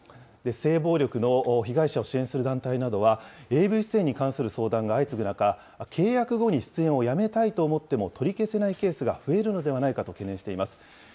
性暴力の被害者を支援する団体などは、ＡＶ出演に関する相談が相次ぐ中、契約後に出演をやめたいと思っても取り消せないケースが増えるのではないかと懸念しています。